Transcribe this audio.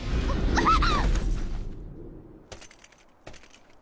あっ！